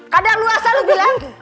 kadar luarsa lu bilang